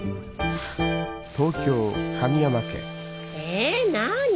え何？